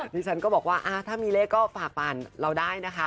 ดิฉันก็บอกว่าถ้ามีเลขก็ฝากผ่านเราได้นะคะ